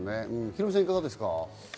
ヒロミさん、いかがですか？